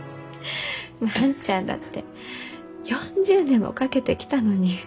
万ちゃんだって４０年もかけてきたのに。